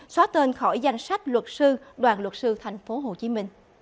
xóa tên khỏi danh sách luật sư đoàn luật sư tp hcm